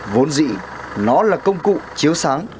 vốn dị nó là công cụ chiếu sáng